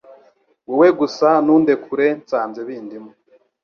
Wowe gusa Ntundekure Nsanze bindimo